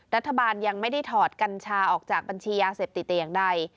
รัฐบาลยังไม่ได้ถอดกัญชาออกจากบัญชียาเสพติดแต่อย่างใด